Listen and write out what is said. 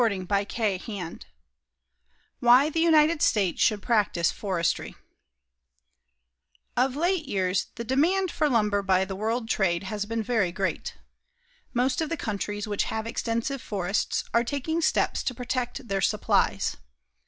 CHAPTER XIV WHY THE UNITED STATES SHOULD PRACTICE FORESTRY Of late years the demand for lumber by the world trade has been very great. Most of the countries which have extensive forests are taking steps to protect their supplies.